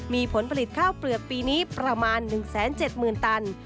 มีผลผลิตข้าวเปลือกปีนี้ประมาณ๑๗๐๐๐ตัน